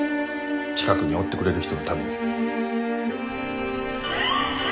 近くにおってくれる人のために。